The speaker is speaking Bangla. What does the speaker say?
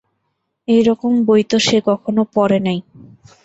এইরকম বই তো সে কখনও পড়ে নাই!